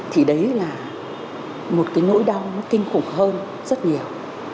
thì đấy là một cái nỗi đau nó kinh khủng hơn rất nhiều